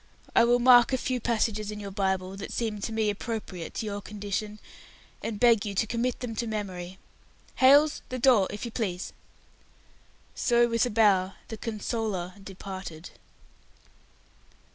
I will mark a few passages in your Bible, that seem to me appropriate to your condition, and beg you to commit them to memory. Hailes, the door, if you please." So, with a bow, the "consoler" departed.